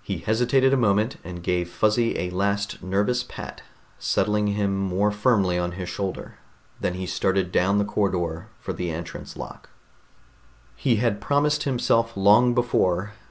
He hesitated a moment, and gave Fuzzy a last nervous pat, settling him more firmly on his shoulder. Then he started down the corridor for the entrance lock. He had promised himself long before